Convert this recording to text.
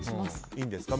いいんですか？